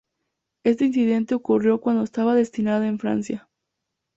Este incidente ocurrió cuando estaba destinado en Francia.